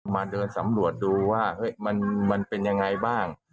เดินสำรวจดูว่ามันเป็นยังไงบ้าง